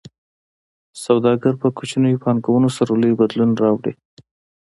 سوداګر په کوچنیو پانګونو سره لوی بدلون راوړي.